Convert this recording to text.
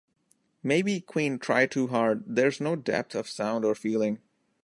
Maybe Queen try too hard, there's no depth of sound or feeling.